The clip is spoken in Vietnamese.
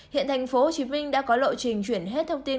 hiện thành phố hồ chí minh đã có lộ trình chuyển hết thông tin